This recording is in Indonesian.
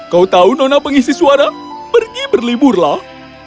kau tahu nona pengisi suara pergi berliburlah